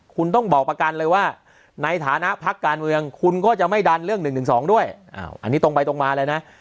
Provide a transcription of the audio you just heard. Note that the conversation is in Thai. คุณต้องบอกประกันเลยว่าในฐานะพักการเมืองคุณก็จะไม่ดันเรื่อง๑๑๒ด้วยอันนี้ตรงไปตรงมาเลยนะ